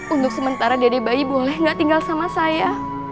untuk sementara dade bayi boleh gak tinggal sama saya